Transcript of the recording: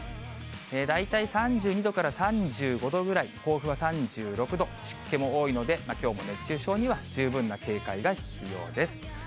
大体３２度から３５度ぐらい、甲府は３６度、湿気も多いので、きょうも熱中症には十分な警戒が必要です。